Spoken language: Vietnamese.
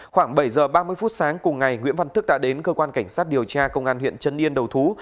khoảng bảy giờ ba mươi phút sáng cùng ngày nguyễn văn thức đã đến cơ quan cảnh sát điều tra công an huyện trân yên đầu thú